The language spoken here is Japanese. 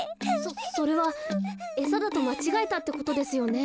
そそれはえさだとまちがえたってことですよね。